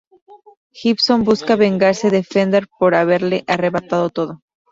Gibson busca vengarse de Fender por haberle arrebatado todo.